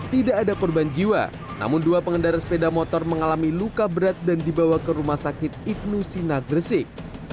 tidak ada korban jiwa namun dua pengendara sepeda motor mengalami luka berat dan dibawa ke rumah sakit ibnu sina gresik